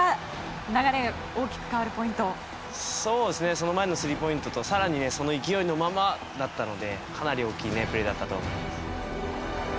その前のスリーポイントと更に、その勢いのままだったのでかなり大きいプレーだったと思います。